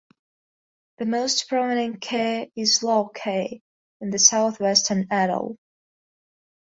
The most prominent cay is Low Cay, in the southwestern atoll.